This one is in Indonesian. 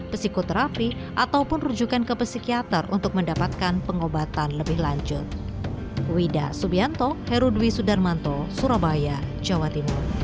psikoterapi ataupun rujukan ke psikiater untuk mendapatkan pengobatan lebih lanjut